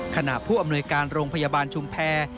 ผู้อำนวยการโรงพยาบาลชุมแพร